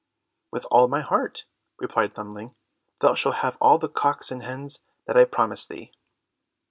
"With all my heart," replied Thumbling. "Thou shalt have all the cocks and hens, that I promise thee."